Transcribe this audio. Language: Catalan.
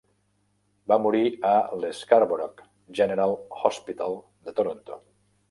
Va morir a l'Scarborough General Hospital de Toronto.